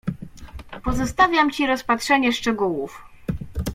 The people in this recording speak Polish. "Pozostawiam ci rozpatrzenie szczegółów."